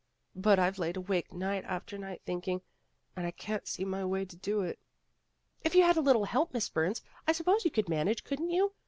But I've laid awake night after night thinking, and I can't see my way to do it." "If you had a little help, Miss Burns, I sup pose you could manage, couldn't you?